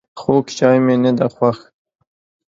خوږ چای مي نده خوښ